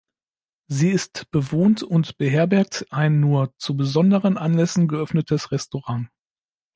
Sie ist bewohnt und beherbergt ein nur zu besonderen Anlässen geöffnetes Restaurant.